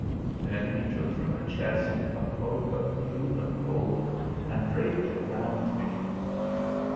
Then he took from a chest a cloak of blue and gold and draped it round me.